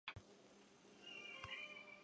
桃花岛的武功与其十分相似。